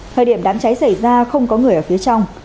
thời điểm đám cháy xảy ra không có người ở phía trong